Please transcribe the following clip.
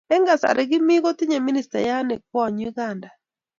Eng kasari kimii kotinye ministayat ne kwony Uganda.